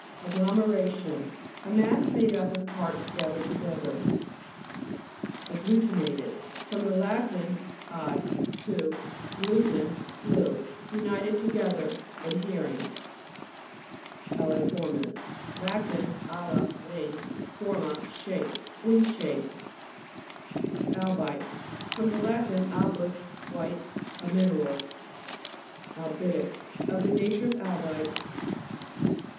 AGGLOMEHA'TIOX A mass made up of parts gathered together. AGGLUTINATED fr. lat. ad to, glu ten, glue. United together 5 ad hering. ALJEFO'RMIS Lat. (a/a, \ving, forma, shape). Wing shaped. (.Fig. 119.) ALBITE fr. lat. albus, white. A mineral. See p. 120. ALBITIC Of the nature of albite.